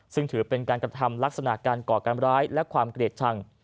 ซึ่งถือเป็นการกระทำลักษณะการก่อการร้ายและความเกลียดชัง